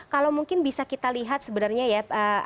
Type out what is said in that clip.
kalau mungkin bisa kita lihat sebenarnya ya